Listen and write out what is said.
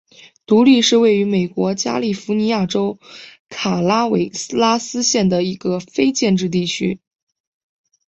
独立是位于美国加利福尼亚州卡拉韦拉斯县的一个非建制地区。